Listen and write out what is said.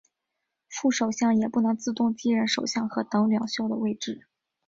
副首相也不能自动继任首相和党领袖的位置。